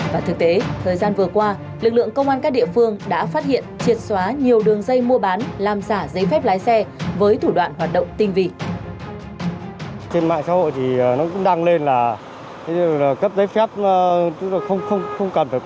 và thực tế thời gian vừa qua lực lượng công an các địa phương đã phát hiện triệt xóa nhiều đường dây mua bán làm giả giấy phép lái xe với thủ đoạn hoạt động tinh vị